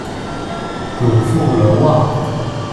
祖父娄旺。